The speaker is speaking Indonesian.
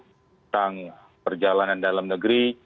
tentang perjalanan dalam negeri